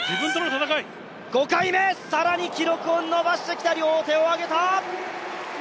５回目、更に記録を伸ばしてきた、両手を挙げた！